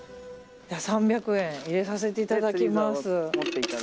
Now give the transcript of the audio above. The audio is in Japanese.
３００円入れさせていただきます。